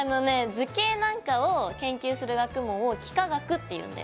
図形なんかを研究する学問を幾何学っていうんだよ。